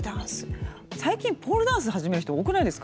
最近ポールダンス始める人多くないですか？